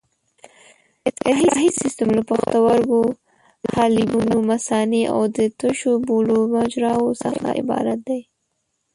اطراحي سیستم له پښتورګو، حالبینو، مثانې او د تشو بولو مجراوو څخه عبارت دی.